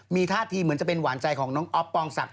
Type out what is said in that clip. มีท่าทีเหมือนจะเป็นหวานใจของน้องอ๊อฟปองศักดิ